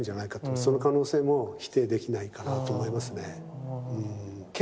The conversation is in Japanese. その可能性も否定できないかなと思いますね。